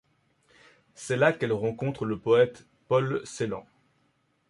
C'est là qu'elle rencontre le poète Paul Celan.